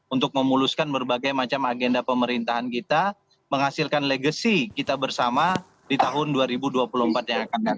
untuk memuluskan berbagai macam agenda pemerintahan kita menghasilkan legacy kita bersama di tahun dua ribu dua puluh empat yang akan datang